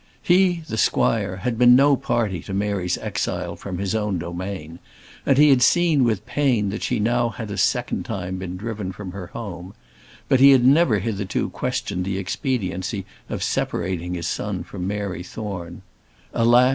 He, the squire, had been no party to Mary's exile from his own domain; and he had seen with pain that she had now a second time been driven from her home: but he had never hitherto questioned the expediency of separating his son from Mary Thorne. Alas!